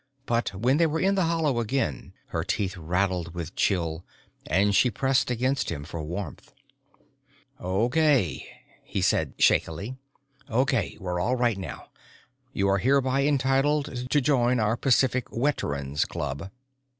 But when they were in the hollow again her teeth rattled with chill and she pressed against him for warmth. "Okay," he said shakily. "Okay, we're all right now. You are hereby entitled to join our Pacific wet erans' club."